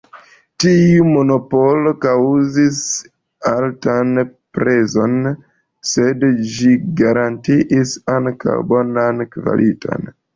Tiu monopolo kaŭzis altan prezon, sed ĝi garantiis ankaŭ bonan kvaliton.